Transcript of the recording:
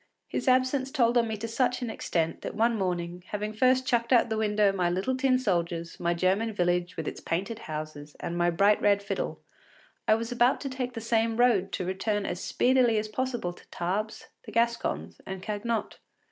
His absence told on me to such an extent that one morning, having first chucked out of the window my little tin soldiers, my German village with its painted houses, and my bright red fiddle, I was about to take the same road to return as speedily as possible to Tarbes, the Gascons, and Cagnotte.